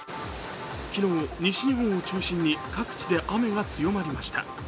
昨日、西日本を中心に各地で雨が強まりました。